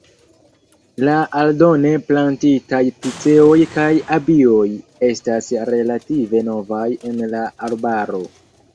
La aldone plantitaj piceoj kaj abioj estas relative novaj en la arbaro.